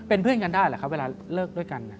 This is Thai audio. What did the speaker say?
เป็นเพื่อนกันได้หรือครับเวลาเลิกด้วยกัน